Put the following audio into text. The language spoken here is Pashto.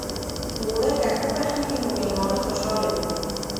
اوړه که ښه پخېږي، نو میلمانه خوشحاله وي